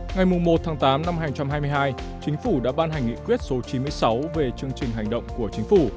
ngày một tám hai nghìn hai mươi hai chính phủ đã ban hành nghị quyết số chín mươi sáu về chương trình hành động của chính phủ